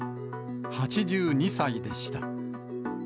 ８２歳でした。